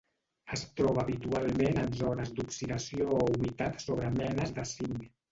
Es troba habitualment en zones d'oxidació o humitat sobre menes de zinc.